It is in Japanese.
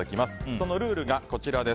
そのルール。